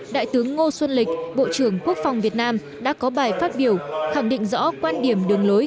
đại tướng ngô xuân lịch bộ trưởng quốc phòng việt nam đã có bài phát biểu khẳng định rõ quan điểm đường lối